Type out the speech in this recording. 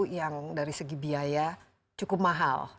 yang dari segi biaya cukup mahal